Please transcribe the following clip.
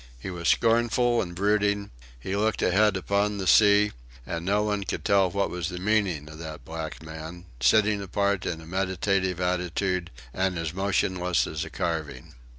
He was scornful and brooding; he looked ahead upon the sea, and no one could tell what was the meaning of that black man sitting apart in a meditative attitude and as motionless as a carving.